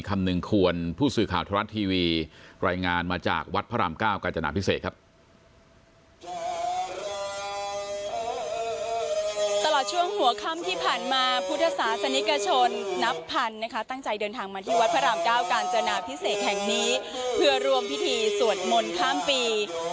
ขำหนึ่งครวรผู้สื่อข่าวธรรทรัสทีวี